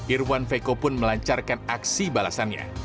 irwan veko pun melancarkan aksi balasannya